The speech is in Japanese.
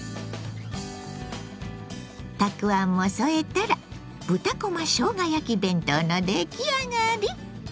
たくあんも添えたら豚こましょうが焼き弁当の出来上がり！